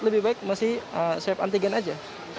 lebih baik masih swab antigen aja